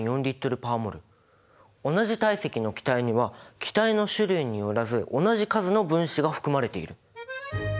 同じ体積の気体には気体の種類によらず同じ数の分子が含まれている！